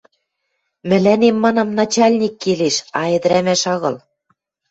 — Мӹлӓнем, манам, начальник келеш, а ӹдӹрӓмӓш агыл...